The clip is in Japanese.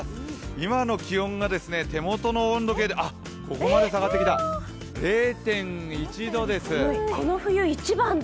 今の気温が手元の温度計で、ここまで下がってきた、０．１度です。